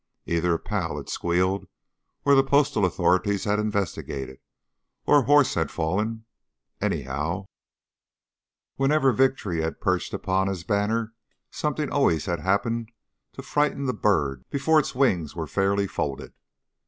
Either a pal had squealed, or the postal authorities had investigated, or a horse had fallen anyhow, whenever victory had perched upon his banner something always had happened to frighten the bird before its wings were fairly folded.